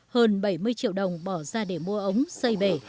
hơn bảy mươi triệu đồng bỏ ra để mua ống xây bể